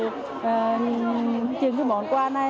trên cái món quà này